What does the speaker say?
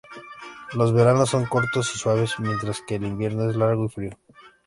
Los veranos son cortos y suaves, mientras que el invierno es largo y frío.